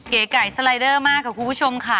เก๋ไก่สไลเดอร์มากค่ะคุณผู้ชมค่ะ